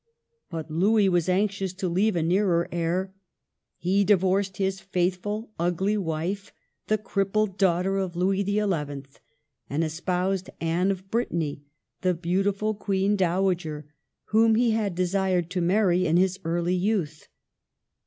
But Louis was anxious to leave a nearer heir. He divorced his faithful, ugly wife, the crippled daughter of Louis XI., and espoused Anne of Brittany, the beautiful Queen Dowager, whom he had desired to marry in his early youth.